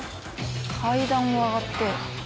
階段を上がって。